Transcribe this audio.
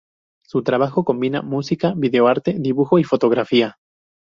Su trabajo combina música, videoarte, dibujo y fotografía.